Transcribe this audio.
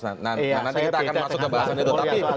nah nanti kita akan masuk ke bahasan itu